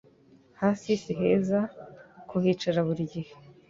Hasi siheza kuhicara buri gihe